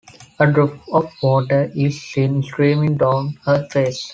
A drop of water is seen streaming down her face.